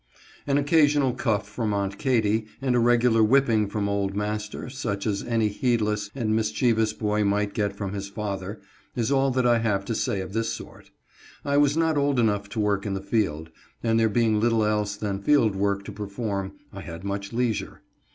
An occasional cuff from Aunt Katy, and a regular whipping from old master, such as any heedless and mischievous boy might get from his father, is all that I have to say of this sort. I was not old enough to work in the field, and there being little else than field work to perform, I had much leisure.